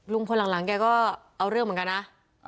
คนหลังแกก็เอาเรื่องเหมือนกันนะ